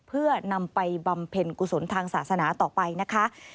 เพื่อนำไปบำเพ็ญกุศลทางศาสนาต่อไปนะคะ